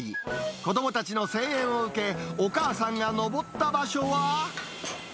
子どもたちの声援を受け、お母さんが上った場所は。